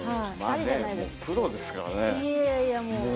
プロですからね。